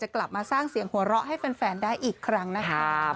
กลับมาสร้างเสียงหัวเราะให้แฟนได้อีกครั้งนะครับ